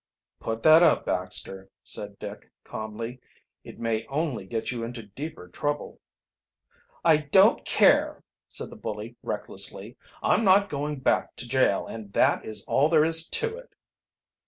"Put that up, Baxter," said Dick calmly. "It may only get you into deeper trouble." "I don't care!" said the bully recklessly. "I'm not going back to jail and that is all there, is to it!"